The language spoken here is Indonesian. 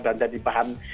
dan jadi bahan